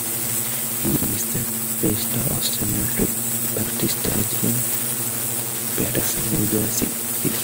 He is the Pastor of Seminary Baptist Church in Paterson, New Jersey.